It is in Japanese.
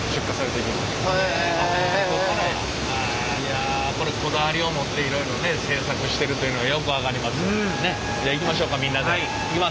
いやこれこだわりを持っていろいろね製作してるというのがよく分かります！